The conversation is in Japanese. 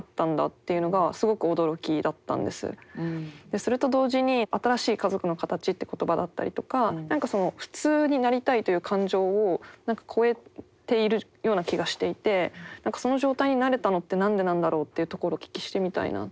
それと同時に新しい家族の形って言葉だったりとか何か普通になりたいという感情を超えているような気がしていてその状態になれたのって何でなんだろうというところお聞きしてみたいなって。